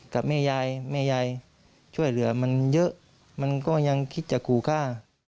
กับแม่ยายแม่ยายช่วยเหลือมันเยอะมันก็ยังคิดจะขู่ฆ่า